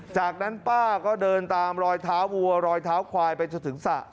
จากนั้นป้าก็เดินตามรอยเท้าวัวรอยเท้าควายไปจนถึงสระ